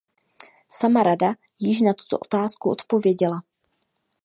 Sama Rada již na tuto otázku odpověděla.